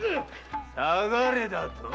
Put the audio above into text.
下がれだと。